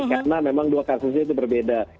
karena memang dua kasusnya itu berbeda